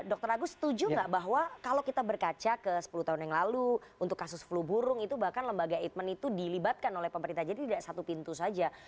dr agus setuju nggak bahwa kalau kita berkaca ke sepuluh tahun yang lalu untuk kasus flu burung itu bahkan lembaga eijkman itu dilibatkan oleh pemerintah jadi tidak satu pintu saja